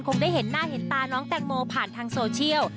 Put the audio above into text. ได้เห็นหน้าเห็นตาน้องแตงโมผ่านทางโซเชียล